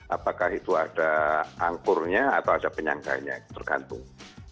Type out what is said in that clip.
apakah itu ada angkurnya atau ada penyangganya tergantung